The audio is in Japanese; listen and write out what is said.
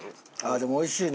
でもおいしいな。